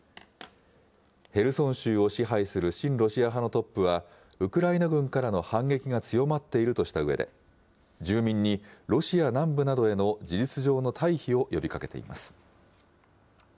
ヘルソン州を支配する親ロシア派のトップは、ウクライナ軍からの反撃が強まっているとしたうえで、住民にロシア南部などへの事実上の退避を呼びかけています。